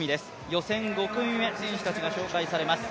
予選５組目、選手たちが紹介されます。